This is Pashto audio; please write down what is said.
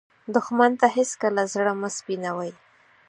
دښمن ته هېڅکله زړه مه سپينوې